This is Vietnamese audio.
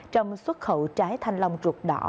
trong xuất khẩu trái thanh lòng ruột đỏ